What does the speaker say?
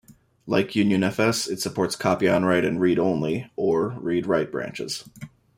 Like Unionfs, it supports copy-on-write and read-only or read-write branches.